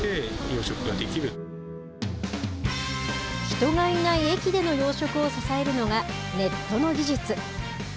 人がいない駅での養殖を支えるのが、ネットの技術。